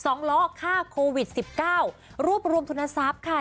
สองล่อฆ่าโควิด๑๙รูปรวมทุนทรัพย์ค่ะ